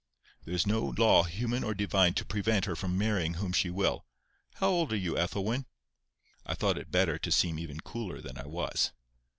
"There is no law human or divine to prevent her from marrying whom she will. How old are you, Ethelwyn?" I thought it better to seem even cooler than I was.